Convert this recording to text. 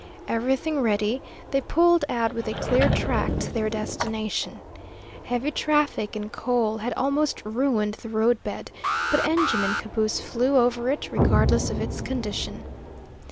Everything ready, they pulled out with a clear track to their destination. Heavy traffic in coal had almost ruined the road bed, but engine and caboose flew over it regardless of its condition.